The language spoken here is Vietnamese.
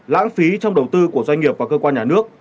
lãng phí trong đầu tư của doanh nghiệp và cơ quan nhà nước